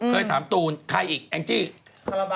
เคยถามตูนใครอีกแองจี้